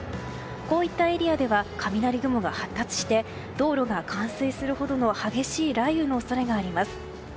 こういったエリアでは雷雲が発達して道路が冠水するほどの激しい雷雨の恐れがあります。